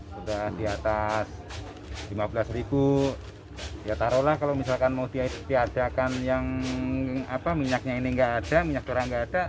sudah di atas rp lima belas ya taruh lah kalau misalkan mau diadakan yang minyaknya ini nggak ada minyak curah nggak ada